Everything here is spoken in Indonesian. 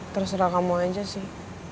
terserah kamu aja sih